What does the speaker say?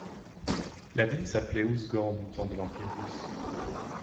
La ville s'appelait Ouzgent du temps de l'Empire russe.